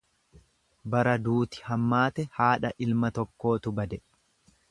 Bara duuti hammaate haadha ilma tokkootu bade.